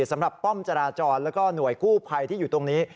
สำหรับป้อมจราจรและหน่วยกู้ไพที่อยู่ตรงนี้